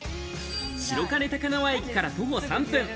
白金高輪駅から徒歩３分。